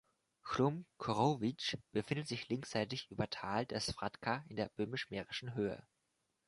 Chlum-Korouhvice befindet sich linksseitig über Tal der Svratka in der Böhmisch-Mährischen Höhe.